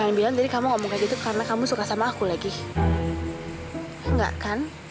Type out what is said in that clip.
enggak kan kamu gak suka sama aku kan